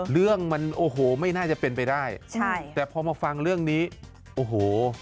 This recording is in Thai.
เรื่องมันโอ้โหไม่น่าจะเป็นไปได้ใช่แต่พอมาฟังเรื่องนี้โอ้โห